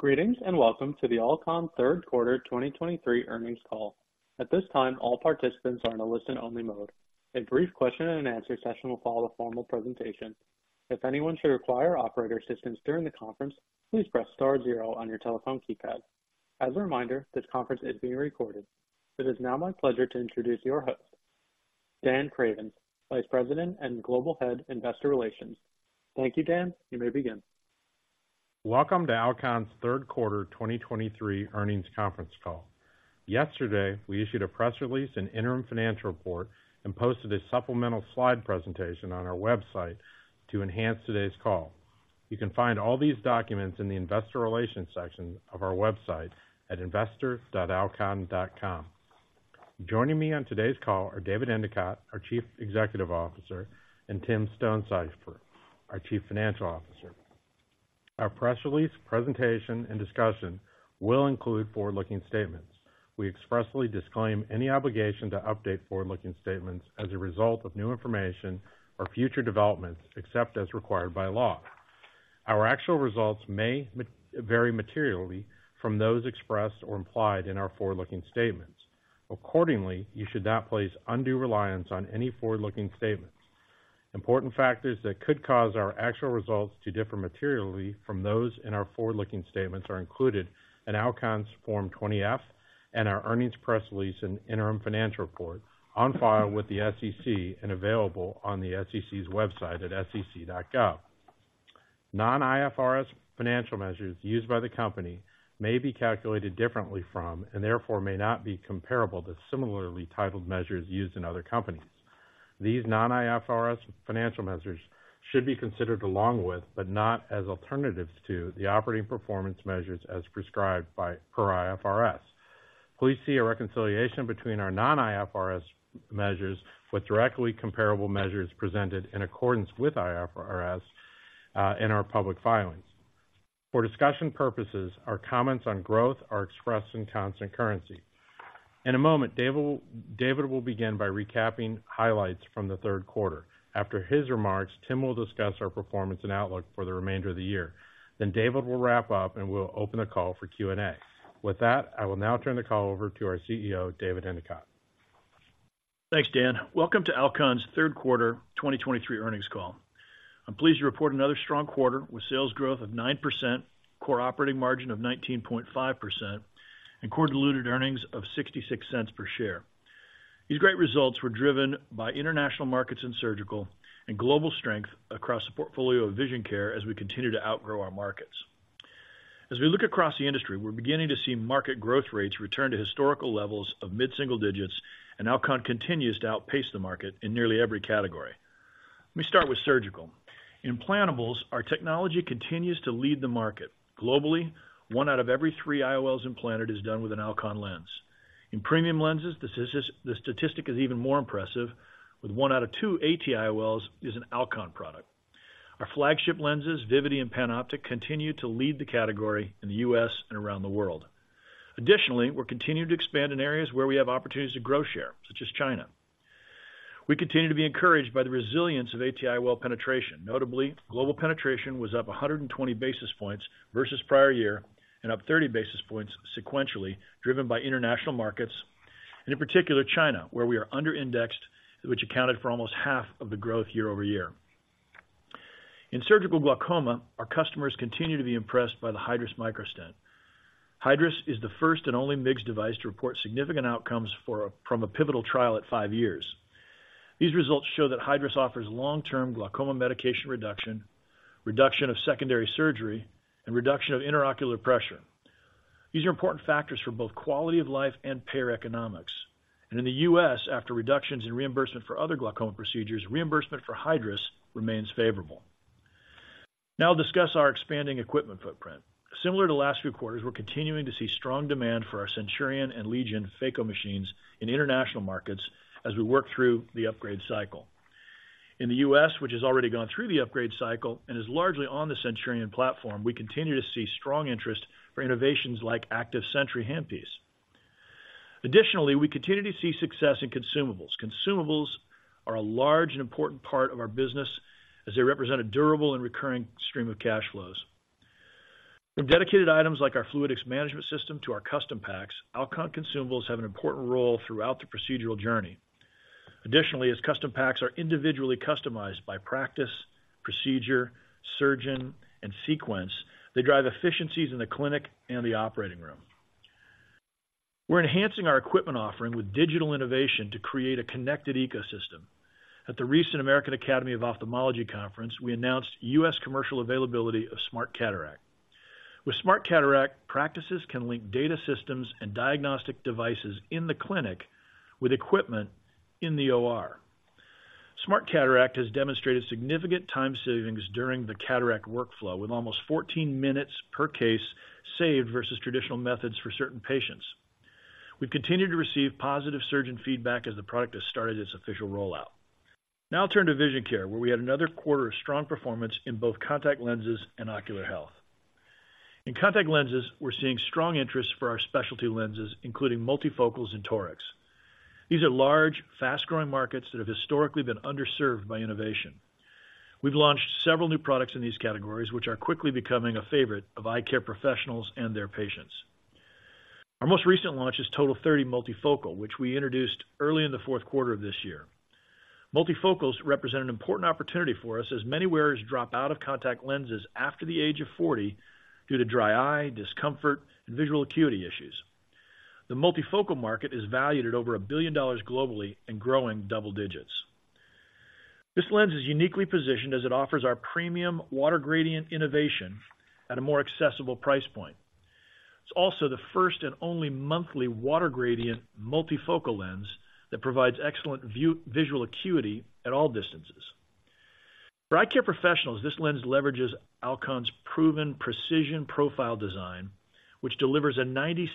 Greetings, and welcome to the Alcon Third Quarter 2023 Earnings Call. At this time, all participants are in a listen-only mode. A brief question and answer session will follow the formal presentation. If anyone should require operator assistance during the conference, please press star zero on your telephone keypad. As a reminder, this conference is being recorded. It is now my pleasure to introduce your host, Dan Cravens, Vice President and Global Head, Investor Relations. Thank you, Dan. You may begin. Welcome to Alcon's Third Quarter 2023 Earnings Conference Call. Yesterday, we issued a press release and interim financial report and posted a supplemental slide presentation on our website to enhance today's call. You can find all these documents in the Investor Relations section of our website at investor.alcon.com. Joining me on today's call are David Endicott, our Chief Executive Officer, and Tim Stonesifer, our Chief Financial Officer. Our press release, presentation, and discussion will include forward-looking statements. We expressly disclaim any obligation to update forward-looking statements as a result of new information or future developments, except as required by law. Our actual results may vary materially from those expressed or implied in our forward-looking statements. Accordingly, you should not place undue reliance on any forward-looking statements. Important factors that could cause our actual results to differ materially from those in our forward-looking statements are included in Alcon's Form 20-F and our earnings press release and interim financial report on file with the SEC and available on the SEC's website at sec.gov. Non-IFRS financial measures used by the company may be calculated differently from, and therefore may not be comparable to, similarly titled measures used in other companies. These non-IFRS financial measures should be considered along with, but not as alternatives to, the operating performance measures as prescribed by per IFRS. Please see a reconciliation between our non-IFRS measures with directly comparable measures presented in accordance with IFRS in our public filings. For discussion purposes, our comments on growth are expressed in constant currency. In a moment, David will begin by recapping highlights from the third quarter. After his remarks, Tim will discuss our performance and outlook for the remainder of the year. Then David will wrap up, and we'll open the call for Q&A. With that, I will now turn the call over to our CEO, David Endicott. Thanks, Dan. Welcome to Alcon's Third Quarter 2023 Earnings Call. I'm pleased to report another strong quarter with sales growth of 9%, core operating margin of 19.5%, and core diluted earnings of $0.66 per share. These great results were driven by international markets and surgical and global strength across the portfolio of vision care as we continue to outgrow our markets. As we look across the industry, we're beginning to see market growth rates return to historical levels of mid-single digits, and Alcon continues to outpace the market in nearly every category. Let me start with surgical. Implantables, our technology continues to lead the market. Globally, one out of every three IOLs implanted is done with an Alcon lens. In premium lenses, the statistic is even more impressive, with one out of two ATIOLs is an Alcon product. Our flagship lenses, Vivity and PanOptix, continue to lead the category in the U.S. and around the world. Additionally, we're continuing to expand in areas where we have opportunities to grow share, such as China. We continue to be encouraged by the resilience of ATIOL penetration. Notably, global penetration was up 120 basis points versus prior year and up 30 basis points sequentially, driven by international markets and in particular, China, where we are under-indexed, which accounted for almost half of the growth year-over-year. In surgical glaucoma, our customers continue to be impressed by the Hydrus Microstent. Hydrus is the first and only MIGS device to report significant outcomes from a pivotal trial at five years. These results show that Hydrus offers long-term glaucoma medication reduction, reduction of secondary surgery, and reduction of intraocular pressure. These are important factors for both quality of life and payer economics. In the U.S., after reductions in reimbursement for other glaucoma procedures, reimbursement for Hydrus remains favorable. Now I'll discuss our expanding equipment footprint. Similar to last few quarters, we're continuing to see strong demand for our CENTURION and LEGION phaco machines in international markets as we work through the upgrade cycle. In the U.S., which has already gone through the upgrade cycle and is largely on the CENTURION platform, we continue to see strong interest for innovations like ACTIVE SENTRY Handpiece. Additionally, we continue to see success in consumables. Consumables are a large and important part of our business as they represent a durable and recurring stream of cash flows. From dedicated items like our Fluidics Management System to our custom packs, Alcon consumables have an important role throughout the procedural journey. Additionally, as custom packs are individually customized by practice, procedure, surgeon, and sequence, they drive efficiencies in the clinic and the operating room. We're enhancing our equipment offering with digital innovation to create a connected ecosystem. At the recent American Academy of Ophthalmology conference, we announced U.S. commercial availability of SMARTCataract. With SMARTCataract, practices can link data systems and diagnostic devices in the clinic with equipment in the OR. SMARTCataract has demonstrated significant time savings during the cataract workflow, with almost 14 minutes per case saved versus traditional methods for certain patients. We've continued to receive positive surgeon feedback as the product has started its official rollout. Now I'll turn to vision care, where we had another quarter of strong performance in both contact lenses and ocular health. In contact lenses, we're seeing strong interest for our specialty lenses, including multifocals and torics. These are large, fast growing markets that have historically been underserved by innovation. We've launched several new products in these categories, which are quickly becoming a favorite of eye care professionals and their patients. Our most recent launch is TOTAL30 Multifocal, which we introduced early in the fourth quarter of this year. Multifocals represent an important opportunity for us, as many wearers drop out of contact lenses after the age of 40 due to dry eye, discomfort, and visual acuity issues. The multifocal market is valued at over $1 billion globally and growing double digits. This lens is uniquely positioned as it offers our premium water gradient innovation at a more accessible price point. It's also the first and only monthly water gradient multifocal lens that provides excellent visual acuity at all distances. For eye care professionals, this lens leverages Alcon's proven precision profile design, which delivers a 96%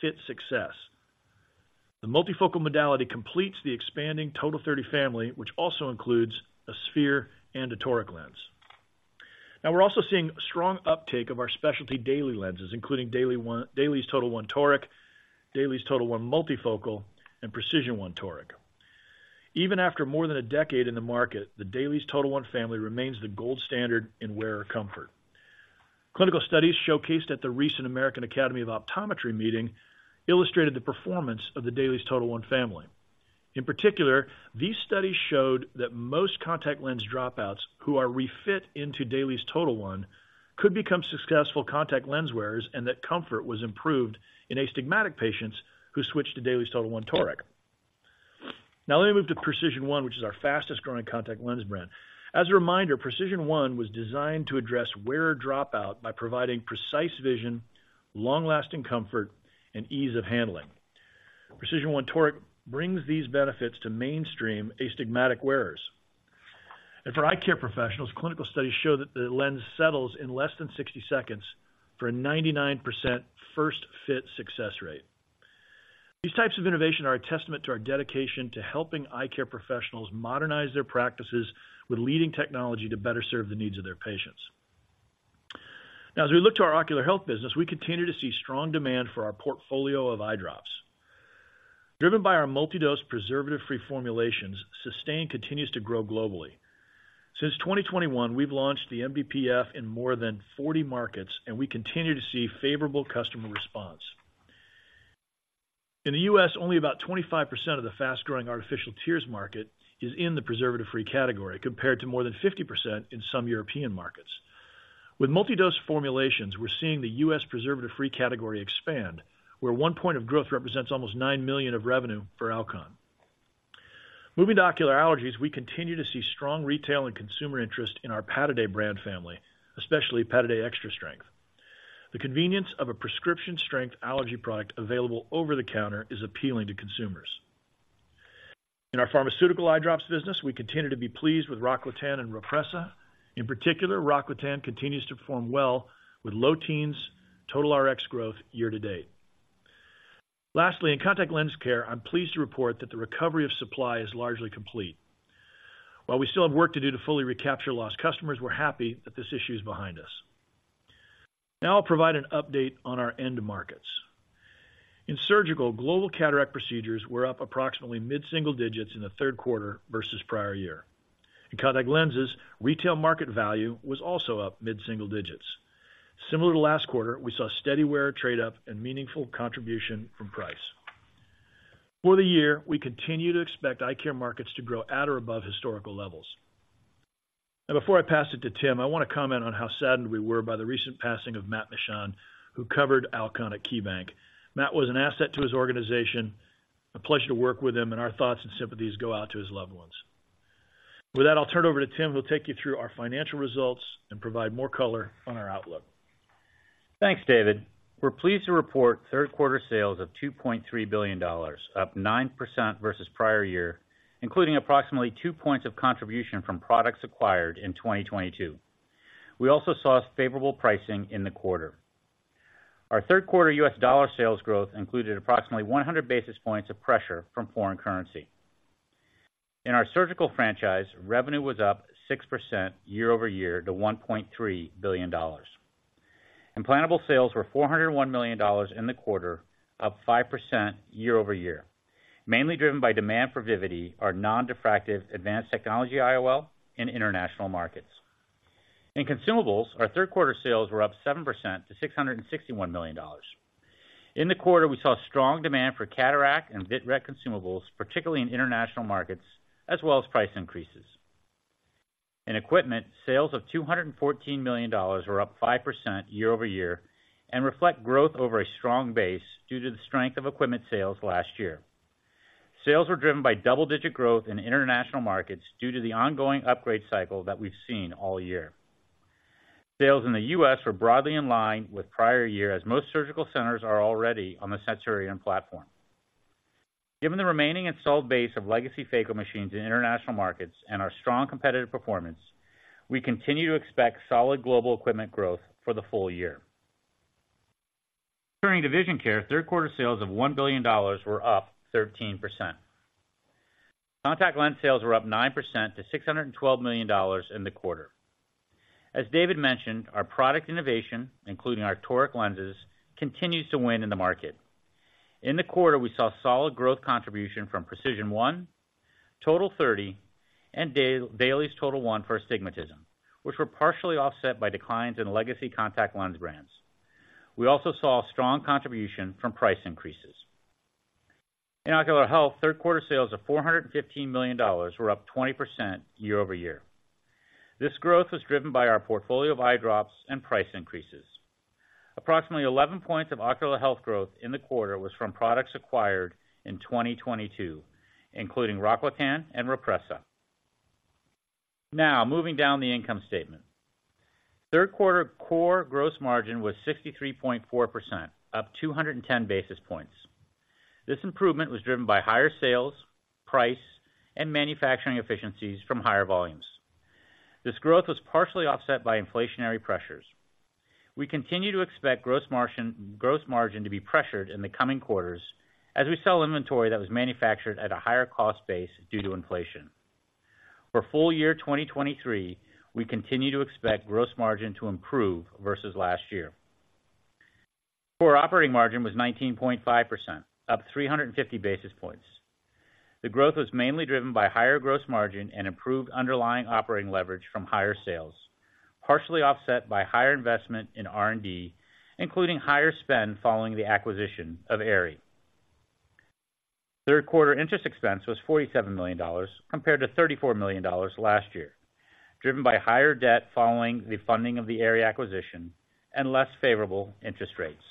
fit success. The multifocal modality completes the expanding TOTAL30 family, which also includes a sphere and a toric lens. Now, we're also seeing strong uptake of our specialty daily lenses, including DAILIES TOTAL1 toric, DAILIES TOTAL1 Multifocal, and PRECISION1 toric. Even after more than a decade in the market, the DAILIES TOTAL1 family remains the gold standard in wearer comfort. Clinical studies showcased at the recent American Academy of Optometry meeting illustrated the performance of the DAILIES TOTAL1 family. In particular, these studies showed that most contact lens dropouts who are refit into DAILIES TOTAL1 could become successful contact lens wearers, and that comfort was improved in astigmatic patients who switched to DAILIES TOTAL1 toric. Now let me move to PRECISION1, which is our fastest growing contact lens brand. As a reminder, PRECISION1 was designed to address wearer dropout by providing precise vision, long lasting comfort, and ease of handling. PRECISION1 toric brings these benefits to mainstream astigmatic wearers. For eye care professionals, clinical studies show that the lens settles in less than 60 seconds for a 99% first fit success rate. These types of innovation are a testament to our dedication to helping eye care professionals modernize their practices with leading technology to better serve the needs of their patients. Now, as we look to our ocular health business, we continue to see strong demand for our portfolio of eye drops. Driven by our multi-dose, preservative-free formulations, Systane continues to grow globally. Since 2021, we've launched the MDPF in more than 40 markets, and we continue to see favorable customer response. In the U.S., only about 25% of the fast-growing artificial tears market is in the preservative-free category, compared to more than 50% in some European markets. With multi-dose formulations, we're seeing the U.S. preservative-free category expand, where one point of growth represents almost $9 million of revenue for Alcon. Moving to ocular allergies, we continue to see strong retail and consumer interest in our Pataday brand family, especially Pataday Extra Strength. The convenience of a prescription strength allergy product available over the counter is appealing to consumers. In our pharmaceutical eye drops business, we continue to be pleased with ROCKLATAN and Rhopressa. In particular, ROCKLATAN continues to perform well with low teens total RX growth year to date. Lastly, in contact lens care, I'm pleased to report that the recovery of supply is largely complete. While we still have work to do to fully recapture lost customers, we're happy that this issue is behind us. Now I'll provide an update on our end markets. In surgical, global cataract procedures were up approximately mid-single digits in the third quarter versus prior year. In contact lenses, retail market value was also up mid-single digits. Similar to last quarter, we saw steady wearer trade up and meaningful contribution from price. For the year, we continue to expect eye care markets to grow at or above historical levels. Now, before I pass it to Tim, I want to comment on how saddened we were by the recent passing of Matt Mishan, who covered Alcon at KeyBanc. Matt was an asset to his organization, a pleasure to work with him, and our thoughts and sympathies go out to his loved ones. With that, I'll turn it over to Tim, who will take you through our financial results and provide more color on our outlook. Thanks, David. We're pleased to report third quarter sales of $2.3 billion, up 9% versus prior year, including approximately two points of contribution from products acquired in 2022. We also saw favorable pricing in the quarter. Our third quarter U.S. dollar sales growth included approximately 100 basis points of pressure from foreign currency. In our surgical franchise, revenue was up 6% year-over-year to $1.3 billion. Implantable sales were $401 million in the quarter, up 5% year-over-year, mainly driven by demand for Vivity, our non-diffractive advanced technology IOL in international markets. In consumables, our third quarter sales were up 7% to $661 million. In the quarter, we saw strong demand for cataract and vit-ret consumables, particularly in international markets, as well as price increases. In equipment, sales of $214 million were up 5% year-over-year and reflect growth over a strong base due to the strength of equipment sales last year. Sales were driven by double-digit growth in international markets due to the ongoing upgrade cycle that we've seen all year. Sales in the U.S. were broadly in line with prior year, as most surgical centers are already on the CENTURION platform. Given the remaining installed base of legacy phaco machines in international markets and our strong competitive performance, we continue to expect solid global equipment growth for the full year. Turning to vision care, third quarter sales of $1 billion were up 13%. Contact lens sales were up 9% to $612 million in the quarter. As David mentioned, our product innovation, including our toric lenses, continues to win in the market. In the quarter, we saw solid growth contribution from PRECISION1, TOTAL30, and DAILIES TOTAL1 for astigmatism, which were partially offset by declines in legacy contact lens brands. We also saw strong contribution from price increases. In Ocular Health, third quarter sales of $415 million were up 20% year-over-year. This growth was driven by our portfolio of eye drops and price increases. Approximately 11 points of Ocular Health growth in the quarter was from products acquired in 2022, including ROCKLATAN and Rhopressa. Now, moving down the income statement. Third quarter core gross margin was 63.4%, up 210 basis points. This improvement was driven by higher sales, price, and manufacturing efficiencies from higher volumes. This growth was partially offset by inflationary pressures. We continue to expect gross margin, gross margin to be pressured in the coming quarters as we sell inventory that was manufactured at a higher cost base due to inflation. For full year 2023, we continue to expect gross margin to improve versus last year. Core operating margin was 19.5%, up 350 basis points. The growth was mainly driven by higher gross margin and improved underlying operating leverage from higher sales, partially offset by higher investment in R&D, including higher spend following the acquisition of Aerie. Third quarter interest expense was $47 million, compared to $34 million last year, driven by higher debt following the funding of the Aerie acquisition and less favorable interest rates.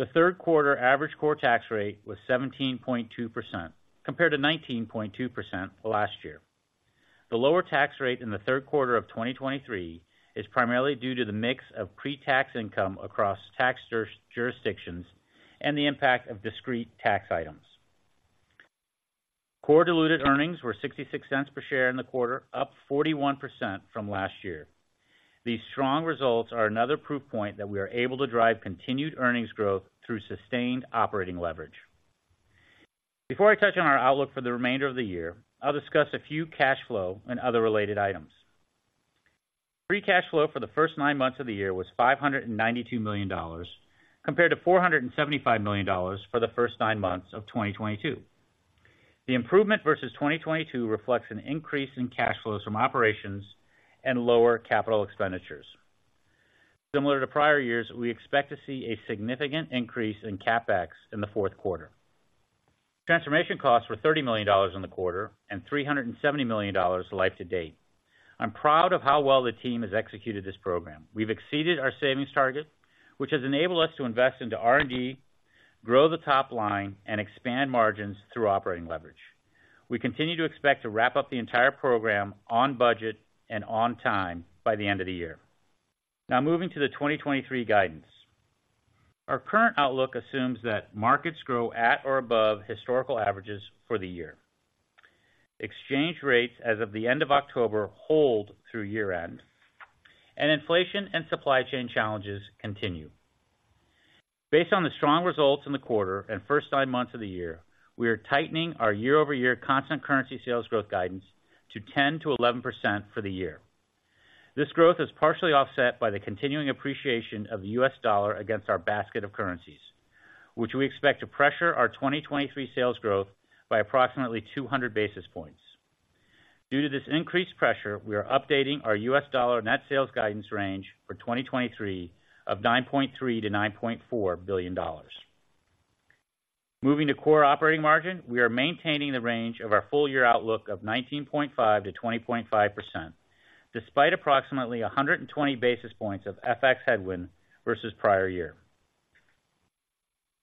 The third quarter average core tax rate was 17.2%, compared to 19.2% last year. The lower tax rate in the third quarter of 2023 is primarily due to the mix of pre-tax income across tax jurisdictions and the impact of discrete tax items. Core diluted earnings were $0.66 per share in the quarter, up 41% from last year. These strong results are another proof point that we are able to drive continued earnings growth through sustained operating leverage. Before I touch on our outlook for the remainder of the year, I'll discuss a few cash flow and other related items. Free cash flow for the first nine months of the year was $592 million, compared to $475 million for the first nine months of 2022. The improvement versus 2022 reflects an increase in cash flows from operations and lower capital expenditures. Similar to prior years, we expect to see a significant increase in CapEx in the fourth quarter. Transformation costs were $30 million in the quarter and $370 million life to date. I'm proud of how well the team has executed this program. We've exceeded our savings target, which has enabled us to invest into R&D, grow the top line, and expand margins through operating leverage. We continue to expect to wrap up the entire program on budget and on time by the end of the year. Now, moving to the 2023 guidance. Our current outlook assumes that markets grow at or above historical averages for the year. Exchange rates as of the end of October hold through year-end, and inflation and supply chain challenges continue. Based on the strong results in the quarter and first nine months of the year, we are tightening our year-over-year constant currency sales growth guidance to 10%-11% for the year. This growth is partially offset by the continuing appreciation of the U.S. dollar against our basket of currencies, which we expect to pressure our 2023 sales growth by approximately 200 basis points. Due to this increased pressure, we are updating our U.S. dollar net sales guidance range for 2023 of $9.3 billion-$9.4 billion. Moving to core operating margin, we are maintaining the range of our full year outlook of 19.5%-20.5%, despite approximately 120 basis points of FX headwind versus prior year.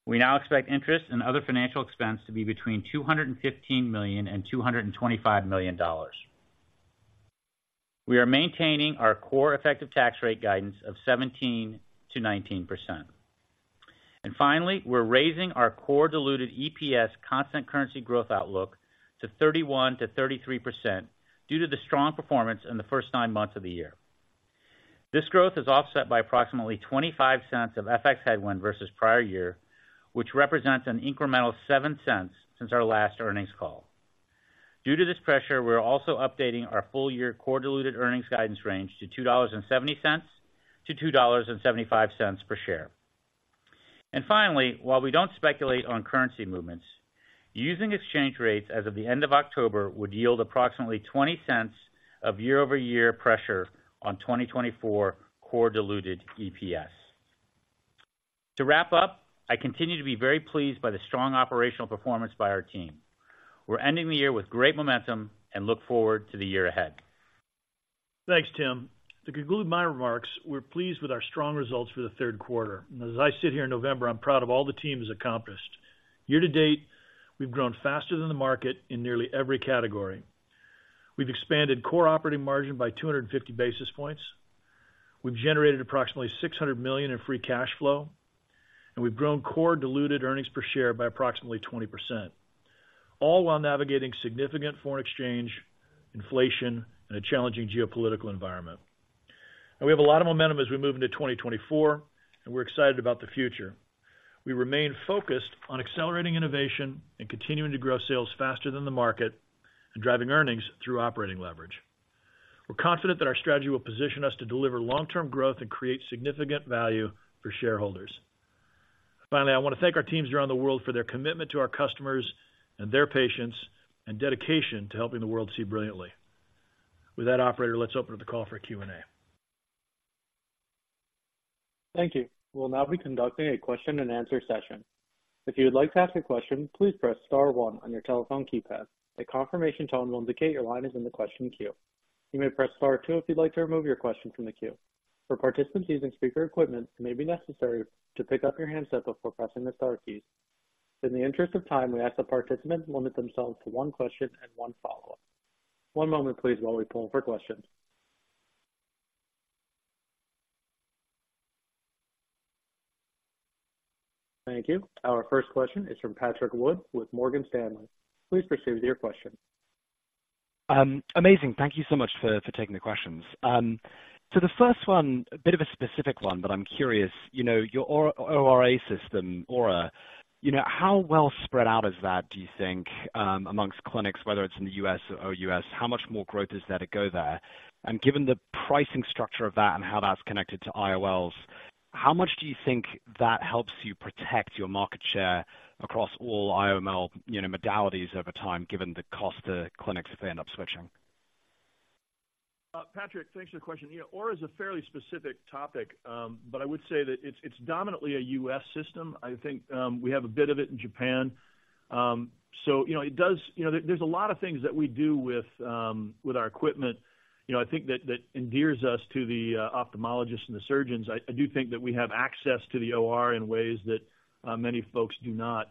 We now expect interest and other financial expense to be between $215 million and $225 million. We are maintaining our core effective tax rate guidance of 17%-19%. And finally, we're raising our core diluted EPS constant currency growth outlook to 31%-33% due to the strong performance in the first nine months of the year. This growth is offset by approximately $0.25 of FX headwind versus prior year, which represents an incremental $0.07 since our last earnings call. Due to this pressure, we are also updating our full year core diluted earnings guidance range to $2.70-$2.75 per share. And finally, while we don't speculate on currency movements, using exchange rates as of the end of October would yield approximately $0.20 of year-over-year pressure on 2024 core diluted EPS. To wrap up, I continue to be very pleased by the strong operational performance by our team. We're ending the year with great momentum and look forward to the year ahead. Thanks, Tim. To conclude my remarks, we're pleased with our strong results for the third quarter. As I sit here in November, I'm proud of all the team has accomplished. Year to date, we've grown faster than the market in nearly every category. We've expanded core operating margin by 250 basis points. We've generated approximately $600 million in free cash flow, and we've grown core diluted earnings per share by approximately 20%, all while navigating significant foreign exchange, inflation, and a challenging geopolitical environment. We have a lot of momentum as we move into 2024, and we're excited about the future. We remain focused on accelerating innovation and continuing to grow sales faster than the market and driving earnings through operating leverage. We're confident that our strategy will position us to deliver long-term growth and create significant value for shareholders. Finally, I want to thank our teams around the world for their commitment to our customers and their patients, and dedication to helping the world see brilliantly. With that, operator, let's open up the call for Q&A. Thank you. We'll now be conducting a question-and-answer session. If you would like to ask a question, please press star one on your telephone keypad. A confirmation tone will indicate your line is in the question queue. You may press star two if you'd like to remove your question from the queue. For participants using speaker equipment, it may be necessary to pick up your handset before pressing the star keys. In the interest of time, we ask that participants limit themselves to one question and one follow-up. One moment, please, while we poll for questions. Thank you. Our first question is from Patrick Wood with Morgan Stanley. Please proceed with your question. Amazing. Thank you so much for taking the questions. So the first one, a bit of a specific one, but I'm curious, you know, your ORA SYSTEM, ORA, you know, how well spread out is that, do you think, among clinics, whether it's in the U.S. or U.S., how much more growth is there to go there? And given the pricing structure of that and how that's connected to IOLs, how much do you think that helps you protect your market share across all IOL modalities over time, given the cost to clinics if they end up switching? Patrick, thanks for the question. You know, ORA is a fairly specific topic, but I would say that it's dominantly a U.S. system. I think, we have a bit of it in Japan. So, you know, you know, there, there's a lot of things that we do with our equipment, you know, I think that endears us to the ophthalmologists and the surgeons. I do think that we have access to the OR in ways that many folks do not.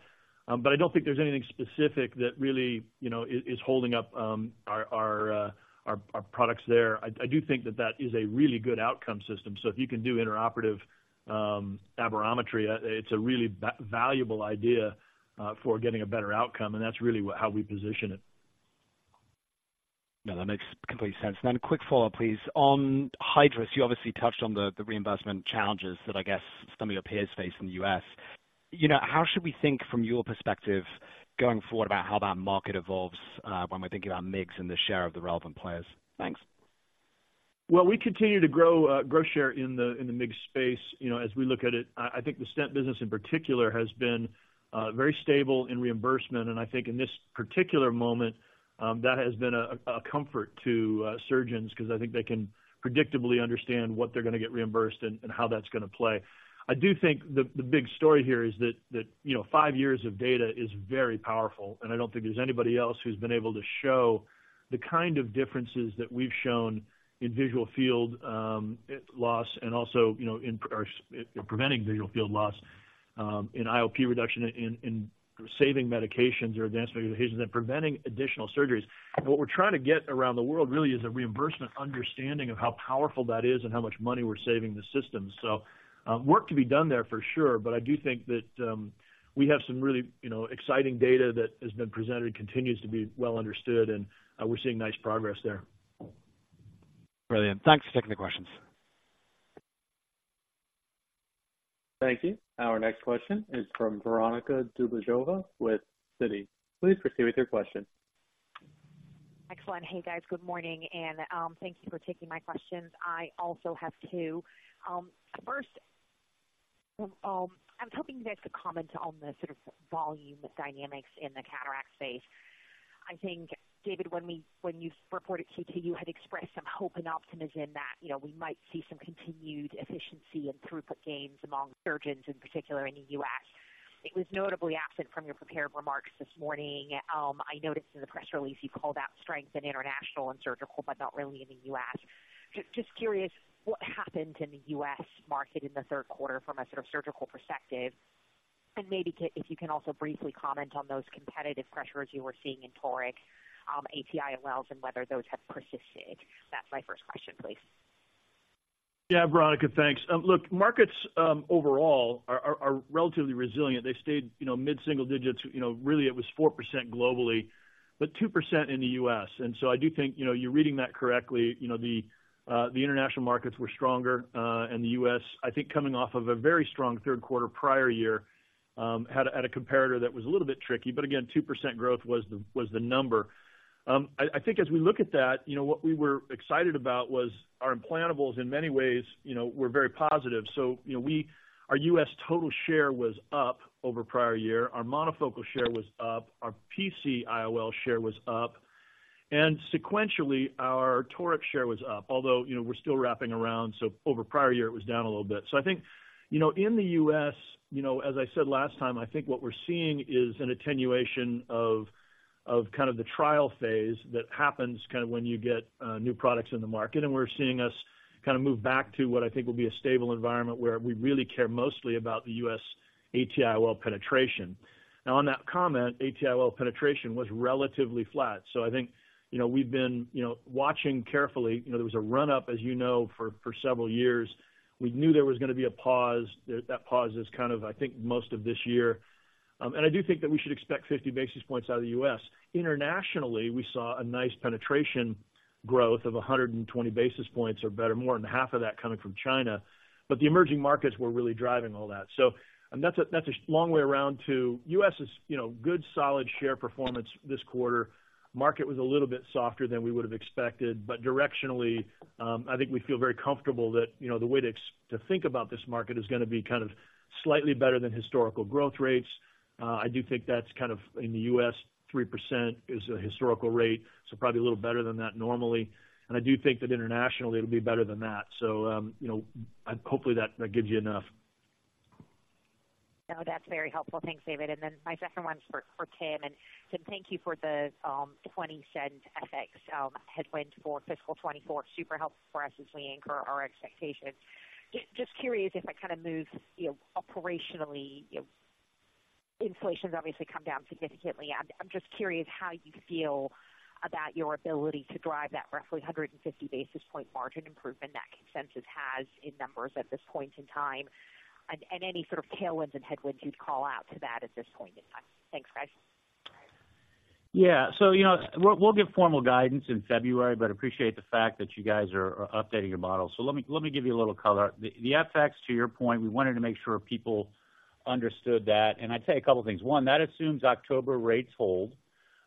But I don't think there's anything specific that really, you know, is holding up our products there. I do think that that is a really good outcome system. So if you can do intraoperative aberrometry, it's a really valuable idea for getting a better outcome, and that's really how we position it. No, that makes complete sense. And then a quick follow-up, please. On Hydrus, you obviously touched on the reimbursement challenges that I guess some of your peers face in the U.S. You know, how should we think from your perspective, going forward about how that market evolves, when we're thinking about MIGS and the share of the relevant players? Thanks. Well, we continue to grow, grow share in the, in the MIGS space. You know, as we look at it, I think the stent business in particular has been very stable in reimbursement, and I think in this particular moment, that has been a comfort to surgeons because I think they can predictably understand what they're going to get reimbursed and how that's going to play. I do think the big story here is that, you know, five years of data is very powerful, and I don't think there's anybody else who's been able to show the kind of differences that we've shown in visual field loss and also, you know, in preventing visual field loss, in IOP reduction, in saving medications or advanced medications, and preventing additional surgeries. What we're trying to get around the world really is a reimbursement understanding of how powerful that is and how much money we're saving the system. So, work to be done there for sure, but I do think that we have some really, you know, exciting data that has been presented and continues to be well understood, and we're seeing nice progress there. Brilliant. Thanks for taking the questions. Thank you. Our next question is from Veronika Dubajova with Citi. Please proceed with your question. Excellent. Hey, guys. Good morning, and thank you for taking my questions. I also have two. First, I was hoping you guys could comment on the sort of volume dynamics in the cataract space. I think, David, when you reported Q2, you had expressed some hope and optimism that, you know, we might see some continued efficiency and throughput gains among surgeons, in particular in the U.S. It was notably absent from your prepared remarks this morning. I noticed in the press release you called out strength in international and surgical, but not really in the U.S. Just curious, what happened in the U.S. market in the third quarter from a sort of surgical perspective? And maybe, if you can also briefly comment on those competitive pressures you were seeing in toric, ATIOL, and whether those have persisted. That's my first question, please. Yeah, Veronica, thanks. Look, markets overall are relatively resilient. They've stayed, you know, mid-single digits. You know, really, it was 4% globally, but 2% in the U.S. And so I do think, you know, you're reading that correctly. You know, the international markets were stronger, and the U.S., I think, coming off of a very strong third quarter prior year, had a comparator that was a little bit tricky, but again, 2% growth was the number. I think as we look at that, you know, what we were excited about was our implantables in many ways, you know, were very positive. So, you know, our U.S. total share was up over prior year. Our monofocal share was up, our PCIOL share was up, and sequentially, our toric share was up, although, you know, we're still wrapping around, so over prior year, it was down a little bit. So I think, you know, in the U.S., you know, as I said last time, I think what we're seeing is an attenuation of kind of the trial phase that happens kind of when you get new products in the market, and we're seeing us kind of move back to what I think will be a stable environment, where we really care mostly about the U.S. ATIOL penetration. Now, on that comment, ATIOL penetration was relatively flat. So I think, you know, we've been, you know, watching carefully. You know, there was a run-up, as you know, for several years. We knew there was going to be a pause. That, that pause is kind of, I think, most of this year. And I do think that we should expect 50 basis points out of the U.S. Internationally, we saw a nice penetration growth of 120 basis points or better, more than half of that coming from China, but the emerging markets were really driving all that. So and that's a, that's a long way around to U.S. is, you know, good, solid share performance this quarter. Market was a little bit softer than we would have expected, but directionally, I think we feel very comfortable that, you know, the way to ex- to think about this market is gonna be kind of slightly better than historical growth rates. I do think that's kind of in the U.S., 3% is a historical rate, so probably a little better than that normally. I do think that internationally, it'll be better than that. So, you know, hopefully, that gives you enough. No, that's very helpful. Thanks, David. And then my second one's for Tim, and Tim, thank you for the $0.20 FX headwind for fiscal 2024. Super helpful for us as we anchor our expectations. Just curious, if I kind of move, you know, operationally, you know, inflation's obviously come down significantly. I'm just curious how you feel about your ability to drive that roughly 150 basis point margin improvement that consensus has in numbers at this point in time, and any sort of tailwinds and headwinds you'd call out to that at this point in time. Thanks, guys. Yeah. So, you know, we'll give formal guidance in February, but appreciate the fact that you guys are updating your model. So let me give you a little color. The FX, to your point, we wanted to make sure people understood that, and I'd say a couple of things. One, that assumes October rates hold,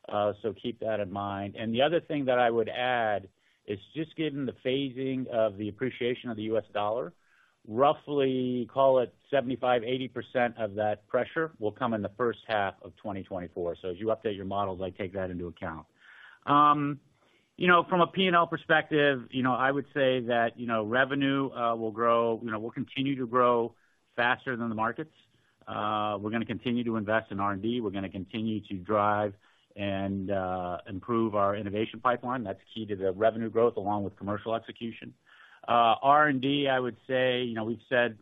so keep that in mind. And the other thing that I would add is, just given the phasing of the appreciation of the U.S. dollar, roughly call it 75%-80% of that pressure will come in the first half of 2024. So as you update your models, I'd take that into account. You know, from a P&L perspective, you know, I would say that, you know, revenue will grow, you know, will continue to grow faster than the markets. We're gonna continue to invest in R&D. We're gonna continue to drive and improve our innovation pipeline. That's key to the revenue growth, along with commercial execution. R&D, I would say, you know, we've said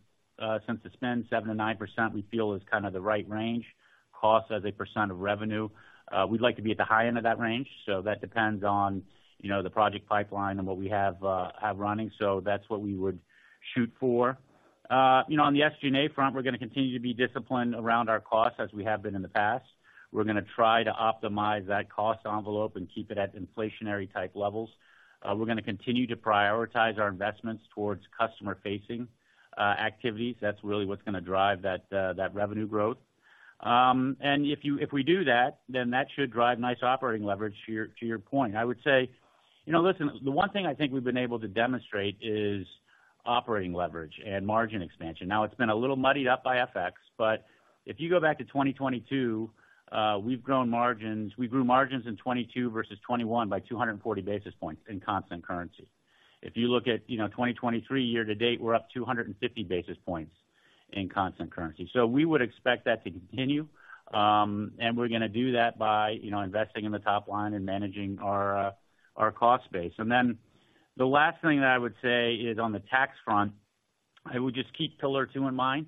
since the spend 7%-9%, we feel is kind of the right range. Cost as a percent of revenue, we'd like to be at the high end of that range, so that depends on, you know, the project pipeline and what we have running, so that's what we would shoot for. You know, on the SG&A front, we're gonna continue to be disciplined around our costs, as we have been in the past. We're gonna try to optimize that cost envelope and keep it at inflationary-type levels. We're gonna continue to prioritize our investments towards customer-facing activities. That's really what's gonna drive that, that revenue growth. And if we do that, then that should drive nice operating leverage, to your, to your point. I would say, you know, listen, the one thing I think we've been able to demonstrate is operating leverage and margin expansion. Now, it's been a little muddied up by FX, but if you go back to 2022, we've grown margins. We grew margins in 2022 versus 2021 by 240 basis points in constant currency. If you look at, you know, 2023 year to date, we're up 250 basis points in constant currency. So we would expect that to continue, and we're gonna do that by, you know, investing in the top line and managing our, our cost base. And then the last thing that I would say is, on the tax front, I would just keep Pillar Two in mind.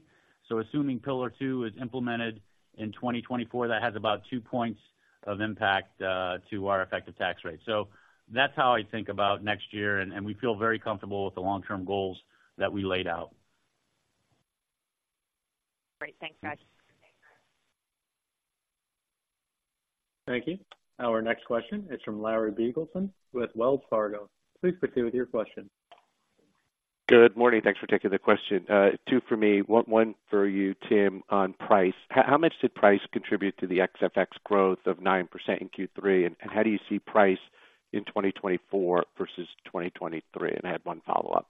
So assuming Pillar Two is implemented in 2024, that has about two points of impact to our effective tax rate. So that's how I think about next year, and, and we feel very comfortable with the long-term goals that we laid out. Great. Thanks, guys. Thank you. Our next question is from Larry Biegelsen with Wells Fargo. Please proceed with your question. Good morning. Thanks for taking the question. Two for me, one for you, Tim, on price. How much did price contribute to the ex-FX growth of 9% in Q3, and how do you see price in 2024 versus 2023? I have one follow-up.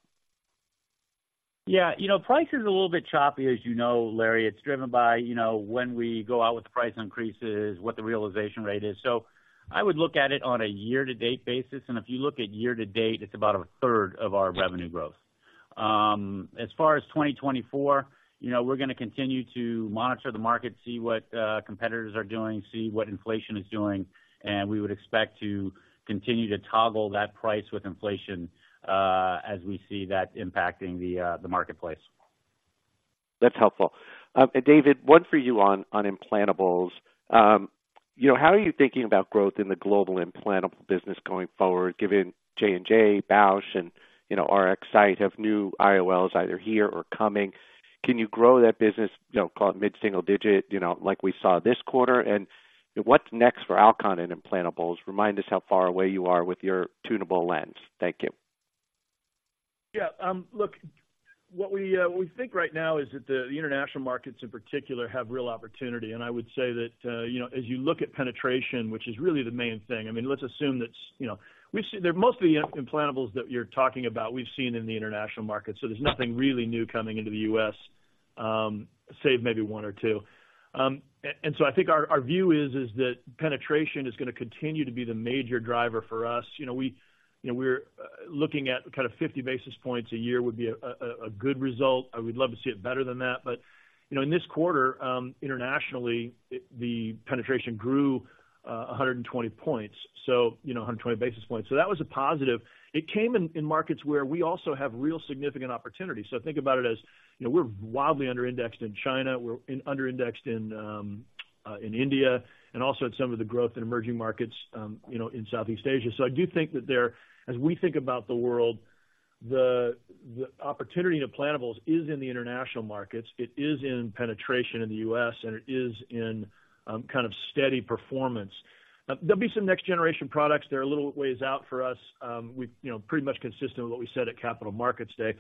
Yeah, you know, price is a little bit choppy, as you know, Larry. It's driven by, you know, when we go out with price increases, what the realization rate is. So I would look at it on a year-to-date basis, and if you look at year to date, it's about a third of our revenue growth. As far as 2024, you know, we're gonna continue to monitor the market, see what competitors are doing, see what inflation is doing, and we would expect to continue to toggle that price with inflation as we see that impacting the marketplace. That's helpful. And David, one for you on implantables. You know, how are you thinking about growth in the global implantable business going forward, given J&J, Bausch, and, you know, RxSight have new IOLs either here or coming? Can you grow that business, you know, call it mid-single digit, you know, like we saw this quarter? And what's next for Alcon and implantables? Remind us how far away you are with your tunable lens. Thank you. Yeah, look, what we think right now is that the international markets, in particular, have real opportunity. And I would say that, you know, as you look at penetration, which is really the main thing, I mean, let's assume that's, you know, we've seen most of the implantables that you're talking about in the international market, so there's nothing really new coming into the U.S., save maybe one or two. And so I think our view is that penetration is gonna continue to be the major driver for us. You know, we, you know, we're looking at kind of 50 basis points a year would be a good result. I would love to see it better than that, but, you know, in this quarter, internationally, it, the penetration grew, 120 points, so, you know, 120 basis points. So that was a positive. It came in, in markets where we also have real significant opportunity. So think about it as, you know, we're wildly under-indexed in China, we're under-indexed in India, and also in some of the growth in emerging markets, you know, in Southeast Asia. So I do think that there, as we think about the world, the opportunity to plantables is in the international markets, it is in penetration in the U.S., and it is in, kind of steady performance. Now, there'll be some next-generation products that are a little ways out for us, we, you know, pretty much consistent with what we said at Capital Markets Day.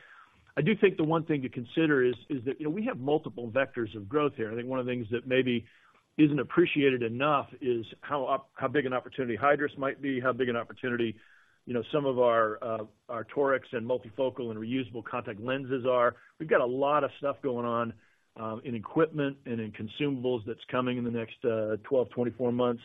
I do think the one thing to consider is that, you know, we have multiple vectors of growth here. I think one of the things that maybe isn't appreciated enough is how big an opportunity Hydrus might be, how big an opportunity, you know, some of our, our toric and Multifocal and reusable contact lenses are. We've got a lot of stuff going on, in equipment and in consumables that's coming in the next, 12, 24 months.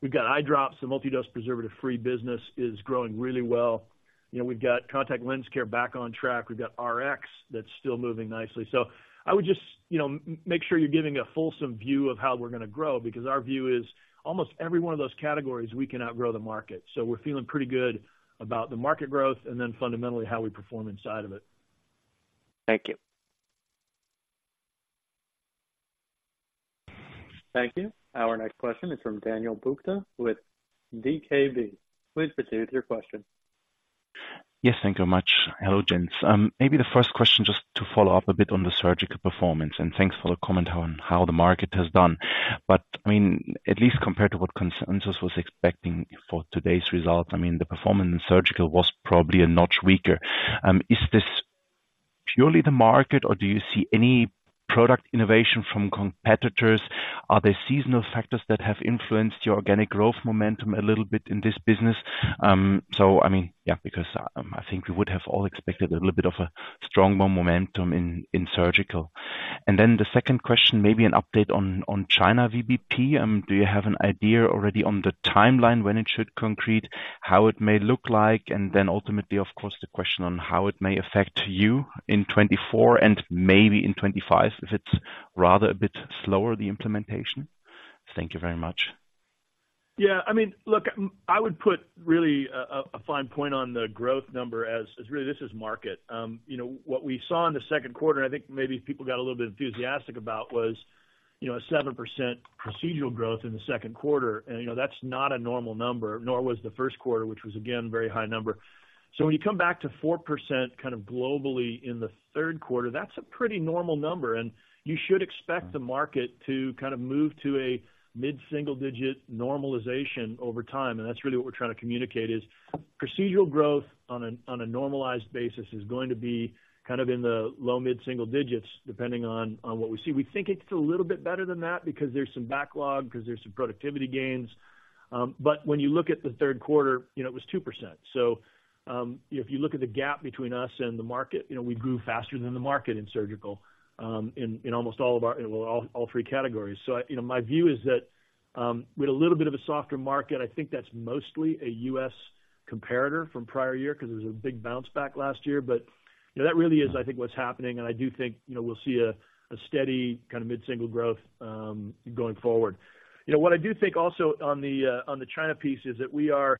We've got eye drops, the multidose preservative-free business is growing really well. You know, we've got contact lens care back on track. We've got Rx that's still moving nicely. So I would just, you know, make sure you're giving a fulsome view of how we're going to grow, because our view is almost every one of those categories we can outgrow the market. So we're feeling pretty good about the market growth and then fundamentally, how we perform inside of it. Thank you. Thank you. Our next question is from Daniel Buchta with ZKB. Please proceed with your question. Yes, thank you much. Hello, gents. Maybe the first question, just to follow up a bit on the surgical performance, and thanks for the comment on how the market has done. But, I mean, at least compared to what consensus was expecting for today's results, I mean, the performance in surgical was probably a notch weaker. Is this purely the market, or do you see any product innovation from competitors? Are there seasonal factors that have influenced your organic growth momentum a little bit in this business? So I mean, yeah, because, I think we would have all expected a little bit of a stronger momentum in surgical. And then the second question, maybe an update on China VBP. Do you have an idea already on the timeline when it should concrete, how it may look like, and then ultimately, of course, the question on how it may affect you in 2024 and maybe in 2025, if it's rather a bit slower, the implementation? Thank you very much. Yeah, I mean, look, I would put really a fine point on the growth number as really this is market. You know, what we saw in the second quarter, and I think maybe people got a little bit enthusiastic about, was, you know, a 7% procedural growth in the second quarter, and, you know, that's not a normal number, nor was the first quarter, which was, again, a very high number. So when you come back to 4% kind of globally in the third quarter, that's a pretty normal number, and you should expect the market to kind of move to a mid-single-digit normalization over time. And that's really what we're trying to communicate, is procedural growth on a normalized basis is going to be kind of in the low mid-single digits, depending on what we see. We think it's a little bit better than that because there's some backlog, because there's some productivity gains. But when you look at the third quarter, you know, it was 2%. So, if you look at the gap between us and the market, you know, we grew faster than the market in surgical, in almost all of our., well, all three categories. So, you know, my view is that, with a little bit of a softer market, I think that's mostly a U.S. comparator from prior year because there was a big bounce back last year. But, you know, that really is, I think, what's happening, and I do think, you know, we'll see a steady kind of mid-single growth, going forward. You know, what I do think also on the China piece is that we are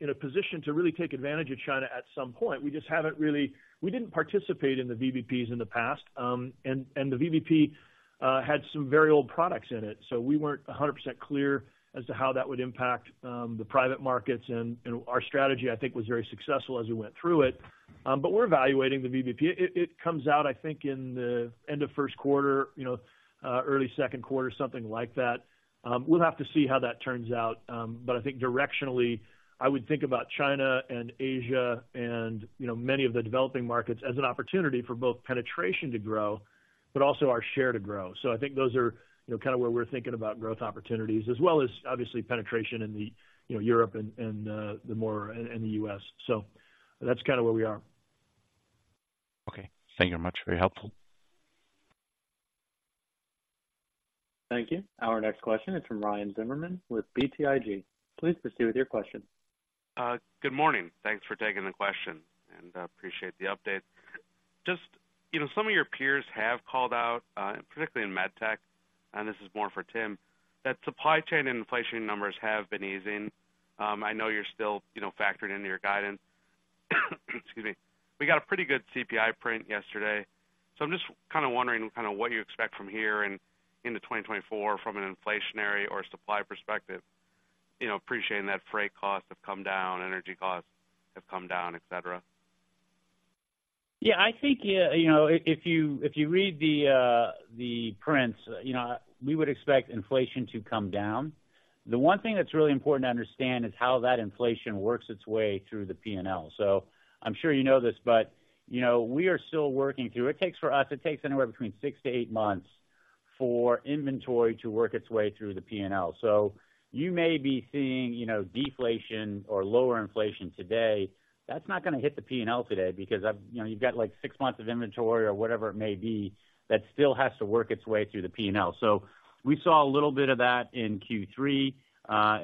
in a position to really take advantage of China at some point. We just haven't really, we didn't participate in the VBPs in the past, and the VBP had some very old products in it, so we weren't 100% clear as to how that would impact the private markets. And our strategy, I think, was very successful as we went through it. But we're evaluating the VBP. It comes out, I think, in the end of first quarter, you know, early second quarter, something like that. We'll have to see how that turns out. But I think directionally, I would think about China and Asia and, you know, many of the developing markets as an opportunity for both penetration to grow, but also our share to grow. So I think those are, you know, kind of where we're thinking about growth opportunities, as well as obviously penetration in the, you know, Europe and, and, the more, and the U.S. So that's kind of where we are. Okay. Thank you very much. Very helpful. Thank you. Our next question is from Ryan Zimmerman with BTIG. Please proceed with your question. Good morning. Thanks for taking the question, and appreciate the update. Just, you know, some of your peers have called out, particularly in med tech, and this is more for Tim, that supply chain and inflation numbers have been easing. I know you're still, you know, factoring into your guidance. Excuse me. We got a pretty good CPI print yesterday, so I'm just kind of wondering kind of what you expect from here and into 2024 from an inflationary or supply perspective. You know, appreciating that freight costs have come down, energy costs have come down, et cetera. Yeah, I think, you know, if you read the prints, you know, we would expect inflation to come down. The one thing that's really important to understand is how that inflation works its way through the P&L. So I'm sure you know this, but, you know, we are still working through. It takes, for us, it takes anywhere between 6-8 months for inventory to work its way through the P&L. So you may be seeing, you know, deflation or lower inflation today. That's not going to hit the P&L today because, you know, you've got, like, six months of inventory or whatever it may be, that still has to work its way through the P&L. So we saw a little bit of that in Q3.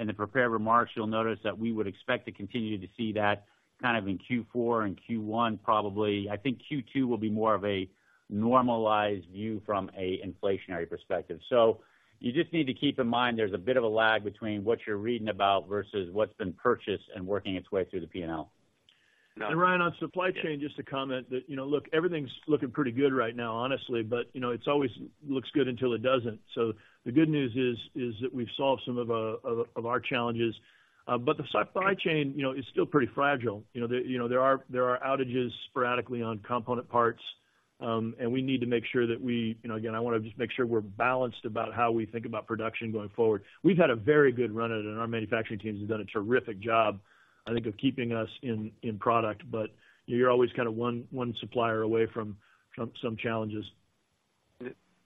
In the prepared remarks, you'll notice that we would expect to continue to see that kind of in Q4 and Q1, probably. I think Q2 will be more of a normalized view from a inflationary perspective. So you just need to keep in mind there's a bit of a lag between what you're reading about versus what's been purchased and working its way through the P&L. And Ryan, on supply chain, just to comment that, you know, look, everything's looking pretty good right now, honestly, but, you know, it's always looks good until it doesn't. So the good news is, is that we've solved some of, of our challenges, but the supply chain, you know, is still pretty fragile. You know, there, you know, there are, there are outages sporadically on component parts. And we need to make sure that we, you know, again, I want to just make sure we're balanced about how we think about production going forward. We've had a very good run at it, and our manufacturing teams have done a terrific job, I think, of keeping us in, in product. But you're always kind of one supplier away from some challenges.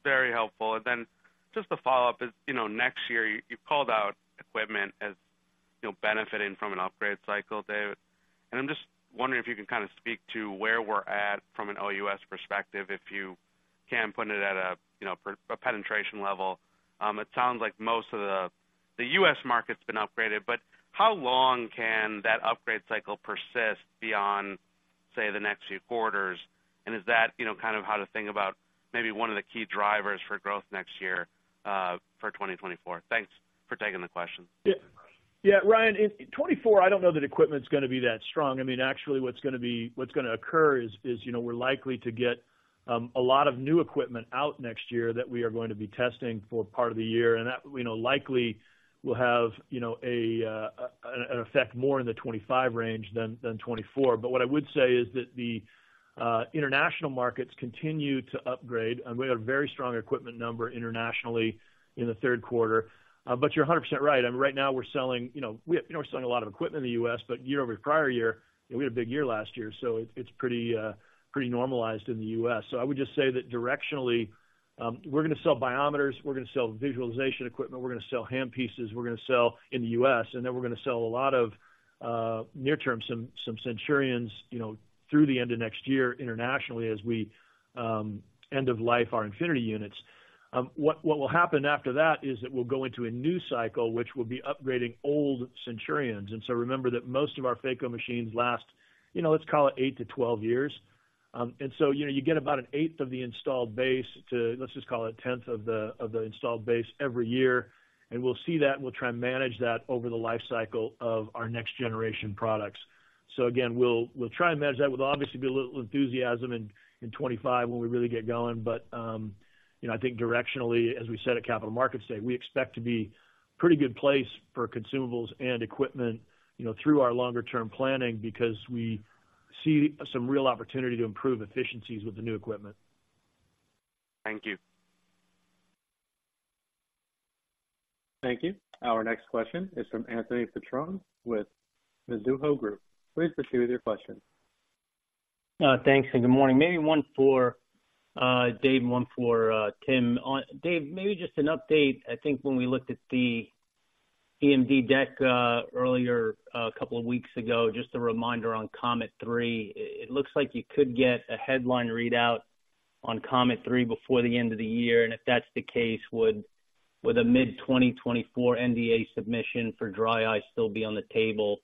Very helpful. And then just to follow up, as you know, next year, you called out equipment as, you know, benefiting from an upgrade cycle, Dave. And I'm just wondering if you can kind of speak to where we're at from an OUS perspective, if you can put it at a, you know, per- a penetration level. It sounds like most of the U.S. market's been upgraded, but how long can that upgrade cycle persist beyond, say, the next few quarters? And is that, you know, kind of how to think about maybe one of the key drivers for growth next year, for 2024? Thanks for taking the question. Yeah, Ryan, in 2024, I don't know that equipment's going to be that strong. I mean, actually, what's going to occur is, you know, we're likely to get a lot of new equipment out next year that we are going to be testing for part of the year, and that, you know, likely will have an effect more in the 2025 range than 2024. But what I would say is that the international markets continue to upgrade, and we had a very strong equipment number internationally in the third quarter. But you're 100% right. I mean, right now, we're selling, you know, you know, we're selling a lot of equipment in the U.S., but year-over-year prior year, we had a big year last year, so it's pretty, pretty normalized in the U.S. So I would just say that directionally, we're going to sell biometers, we're going to sell visualization equipment, we're going to sell handpieces, we're going to sell in the U.S., and then we're going to sell a lot of, near term, some CENTURIONs, you know, through the end of next year internationally as we, end of life our Infiniti units. What will happen after that is that we'll go into a new cycle, which will be upgrading old CENTURIONs. And so remember that most of our phaco machines last, you know, let's call it 8-12 years. And so, you know, you get about an eighth of the installed base to, let's just call it, a tenth of the installed base every year. We'll see that, and we'll try and manage that over the life cycle of our next generation products. Again, we'll try and manage that. With obviously be a little enthusiasm in 2025 when we really get going. But, you know, I think directionally, as we said at Capital Markets Day, we expect to be pretty good place for consumables and equipment, you know, through our longer-term planning because we see some real opportunity to improve efficiencies with the new equipment. Thank you. Thank you. Our next question is from Anthony Petrone with Mizuho Group. Please proceed with your question. Thanks, and good morning. Maybe one for Dave and one for Tim. One, Dave, maybe just an update. I think when we looked at the EMD deck earlier, a couple of weeks ago, just a reminder on COMET-3, it looks like you could get a headline readout on COMET-3 before the end of the year. And if that's the case, would a mid-2024 NDA submission for dry eye still be on the table?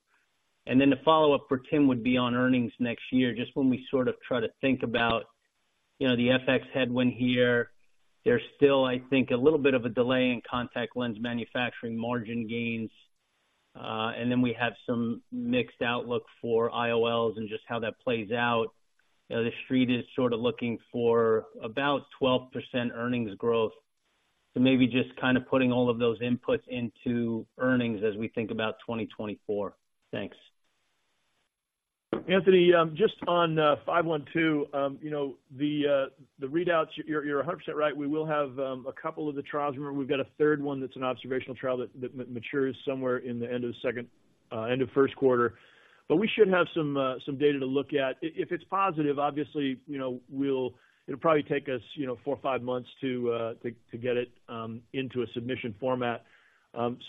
And then the follow-up for Tim would be on earnings next year. Just when we sort of try to think about, you know, the FX headwind here, there's still, I think, a little bit of a delay in contact lens manufacturing margin gains, and then we have some mixed outlook for IOLs and just how that plays out. You know, The Street is sort of looking for about 12% earnings growth. So maybe just kind of putting all of those inputs into earnings as we think about 2024. Thanks. Anthony, just on 512, you know, the readouts, you're 100% right. We will have a couple of the trials. Remember, we've got a third one that's an observational trial that matures somewhere in the end of the second, end of first quarter. But we should have some data to look at. If it's positive, obviously, you know, we'll, it'll probably take us, you know, four or five months to get it into a submission format.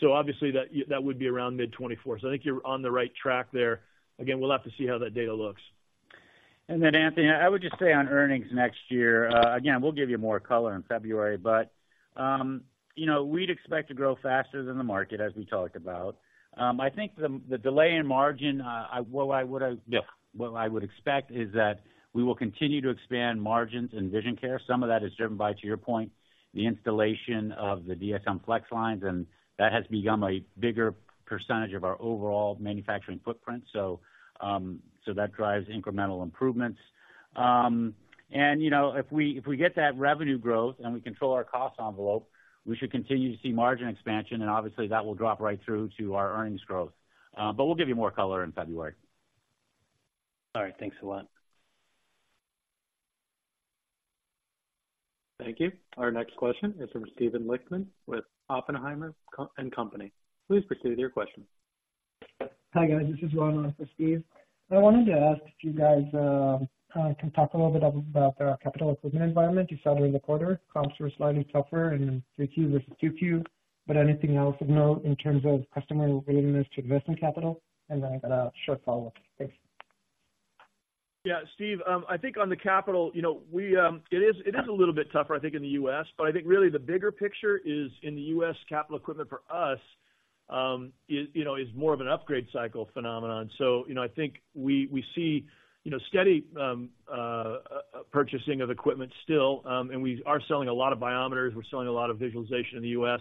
So obviously, that would be around mid 2024. So I think you're on the right track there. Again, we'll have to see how that data looks. And then, Anthony, I would just say on earnings next year, again, we'll give you more color in February, but, you know, we'd expect to grow faster than the market, as we talked about. I think the delay in margin, what I would expect is that we will continue to expand margins in vision care. Some of that is driven by, to your point, the installation of the DSM Flex lines, and that has become a bigger percentage of our overall manufacturing footprint. So, that drives incremental improvements. And, you know, if we get that revenue growth and we control our cost envelope, we should continue to see margin expansion, and obviously, that will drop right through to our earnings growth. But we'll give you more color in February. All right. Thanks a lot. Thank you. Our next question is from Steven Lichtman with Oppenheimer & Co. Please proceed with your question. Hi, guys. This is Juan for Steve. I wanted to ask if you guys can talk a little bit about the capital equipment environment you saw during the quarter. Comps were slightly tougher in 3Q versus 2Q, but anything else of note in terms of customer willingness to invest in capital? And then I've got a short follow-up. Thanks. Yeah, Steve, I think on the capital, you know, we, it is a little bit tougher, I think, in the U.S., but I think really the bigger picture is in the U.S. capital equipment for us, is, you know, is more of an upgrade cycle phenomenon. So, you know, I think we see, you know, steady purchasing of equipment still, and we are selling a lot of biometers. We're selling a lot of visualization in the U.S.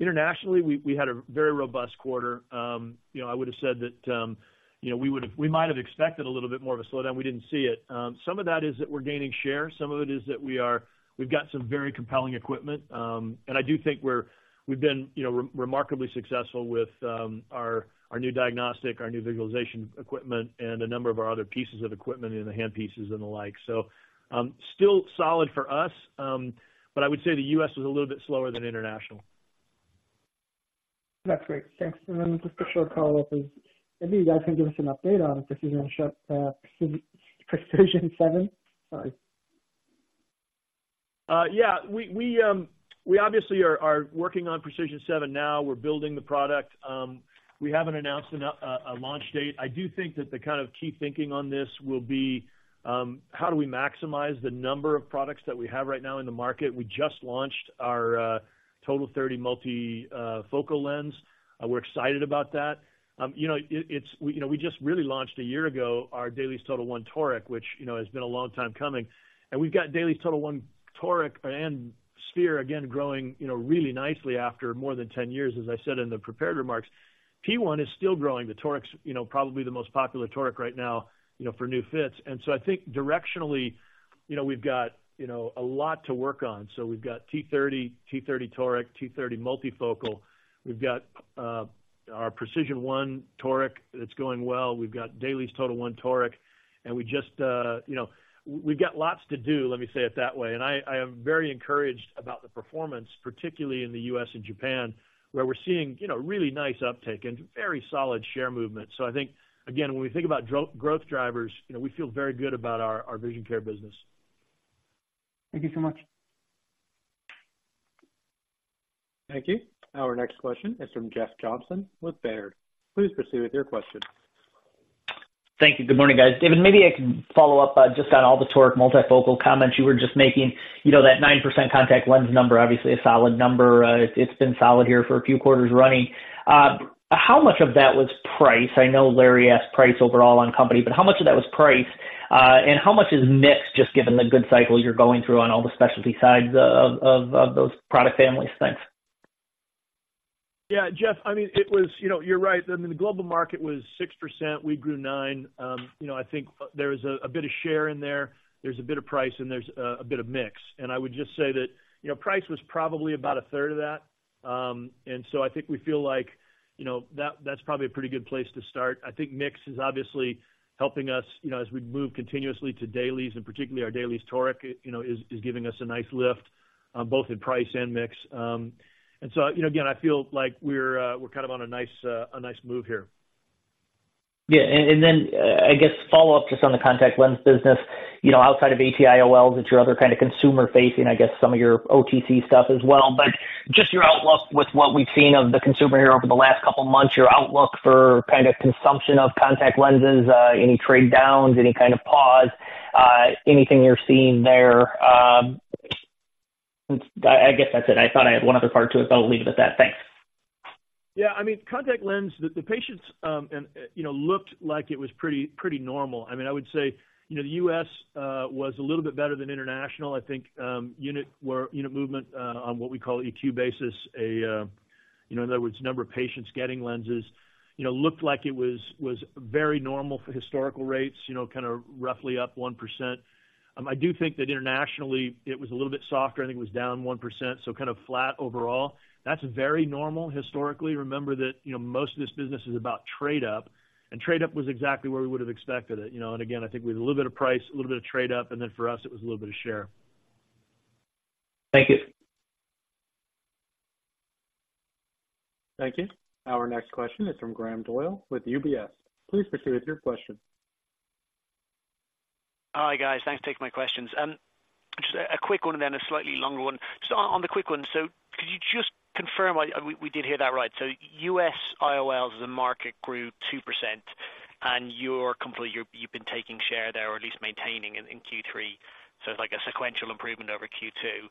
Internationally, we had a very robust quarter. You know, I would have said that, you know, we would have, we might have expected a little bit more of a slowdown. We didn't see it. Some of that is that we're gaining share. Some of it is that we've got some very compelling equipment, and I do think we've been, you know, remarkably successful with our new diagnostic, our new visualization equipment, and a number of our other pieces of equipment and the handpieces and the like. So, still solid for us, but I would say the U.S. was a little bit slower than international. That's great. Thanks. Then just a short follow-up is, maybe you guys can give us an update on PRECISION7. Sorry. Yeah, we obviously are working on PRECISION7 now. We're building the product. We haven't announced a launch date. I do think that the kind of key thinking on this will be how do we maximize the number of products that we have right now in the market? We just launched our TOTAL30 multifocal lens. We're excited about that. You know, we just really launched a year ago our DAILIES TOTAL1 toric, which you know has been a long time coming. And we've got DAILIES TOTAL1 toric and sphere, again, growing you know really nicely after more than 10 years, as I said in the prepared remarks. P1 is still growing. The toric's you know probably the most popular toric right now you know for new fits. And so I think directionally, you know, we've got, you know, a lot to work on. So we've got T30, T30 toric, T30 Multifocal. We've got our PRECISION1 toric, that's going well. We've got DAILIES TOTAL1 toric, and we just, you know, we've got lots to do, let me say it that way. And I, I am very encouraged about the performance, particularly in the U.S. and Japan, where we're seeing, you know, really nice uptake and very solid share movement. So I think, again, when we think about growth drivers, you know, we feel very good about our, our vision care business. Thank you so much. Thank you. Our next question is from Jeff Johnson with Baird. Please proceed with your question. Thank you. Good morning, guys. David, maybe I can follow up just on all the toric multifocal comments you were just making. You know that 9% contact lens number, obviously a solid number. It's been solid here for a few quarters running. How much of that was price? I know Larry asked price overall on company, but how much of that was price? And how much is mix, just given the good cycle you're going through on all the specialty sides of those product families? Thanks. Yeah, Jeff, I mean, it was. You know, you're right. I mean, the global market was 6%, we grew 9%. You know, I think there is a bit of share in there, there's a bit of price, and there's a bit of mix. And I would just say that, you know, price was probably about a third of that. And so I think we feel like, you know, that's probably a pretty good place to start. I think mix is obviously helping us, you know, as we move continuously to DAILIES, and particularly our DAILIES toric, you know, is giving us a nice lift, both in price and mix. And so, you know, again, I feel like we're kind of on a nice move here. Yeah. And, and then, I guess follow-up just on the contact lens business, you know, outside of ATIOL, that's your other kind of consumer facing, I guess, some of your OTC stuff as well, but just your outlook with what we've seen of the consumer here over the last couple of months, your outlook for kind of consumption of contact lenses, any trade downs, any kind of pause, anything you're seeing there? I, I guess that's it. I thought I had one other part to it, but I'll leave it at that. Thanks. Yeah, I mean, contact lens, the patients, and, you know, looked like it was pretty, pretty normal. I mean, I would say, you know, the U.S. was a little bit better than international. I think, unit movement on what we call EQ basis, you know, in other words, number of patients getting lenses, you know, looked like it was very normal for historical rates, you know, kind of roughly up 1%. I do think that internationally, it was a little bit softer. I think it was down 1%, so kind of flat overall. That's very normal historically. Remember that, you know, most of this business is about trade up, and trade up was exactly where we would've expected it, you know. And again, I think we had a little bit of price, a little bit of trade up, and then for us, it was a little bit of share. Thank you. Thank you. Our next question is from Graham Doyle with UBS. Please proceed with your question. Hi, guys. Thanks for taking my questions. Just a quick one and then a slightly longer one. Just on the quick one, so could you just confirm, we did hear that right? So U.S. IOLs, the market grew 2%, and you're taking share there or at least maintaining in Q3, so it's like a sequential improvement over Q2.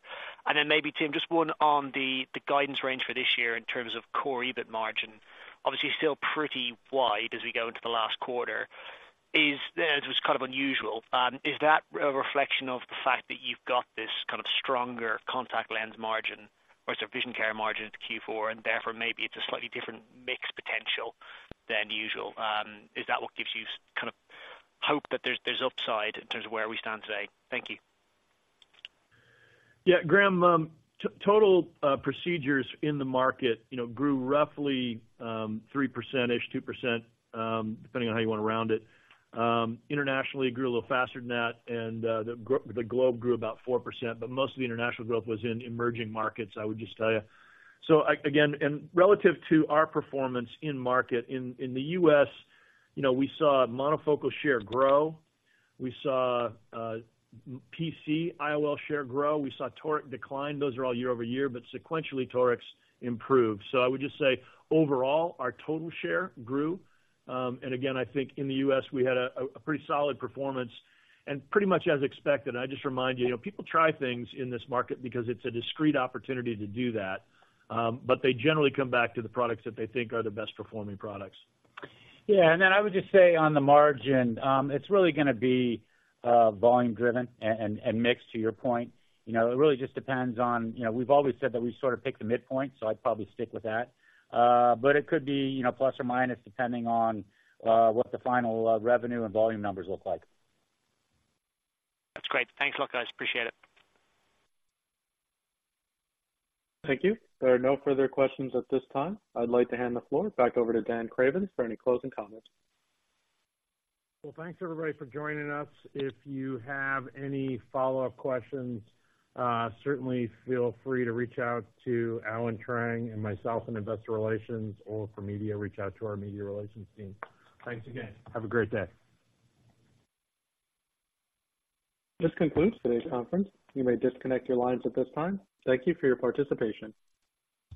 And then maybe, Tim, just one on the guidance range for this year in terms of core EBIT margin. Obviously, still pretty wide as we go into the last quarter. It was kind of unusual. Is that a reflection of the fact that you've got this kind of stronger contact lens margin or sorry, vision care margin, it's Q4, and therefore, maybe it's a slightly different mix potential than usual? Is that what gives you kind of hope that there's upside in terms of where we stand today? Thank you. Yeah, Graham, total procedures in the market, you know, grew roughly 3%ish, 2%, depending on how you want to round it. Internationally, it grew a little faster than that, and the globe grew about 4%, but most of the international growth was in emerging markets, I would just tell you. So again, and relative to our performance in market, in the U.S., you know, we saw monofocal share grow. We saw PCIOL share grow. We saw toric decline. Those are all year-over-year, but sequentially, toric's improved. So I would just say, overall, our total share grew. And again, I think in the U.S., we had a pretty solid performance and pretty much as expected. I just remind you, you know, people try things in this market because it's a discrete opportunity to do that, but they generally come back to the products that they think are the best performing products. Yeah, and then I would just say on the margin, it's really gonna be volume driven and mix, to your point. You know, it really just depends on, you know, we've always said that we sort of pick the midpoint, so I'd probably stick with that. But it could be, you know, plus or minus, depending on what the final revenue and volume numbers look like. That's great. Thanks a lot, guys. Appreciate it. Thank you. There are no further questions at this time. I'd like to hand the floor back over to Dan Craven for any closing comments. Well, thanks, everybody, for joining us. If you have any follow-up questions, certainly feel free to reach out to Allen Trang and myself in Investor Relations, or for media, reach out to our media relations team. Thanks again. Have a great day. This concludes today's conference. You may disconnect your lines at this time. Thank you for your participation.